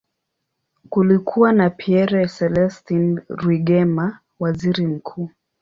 Kulikuwa na Pierre Celestin Rwigema, waziri mkuu.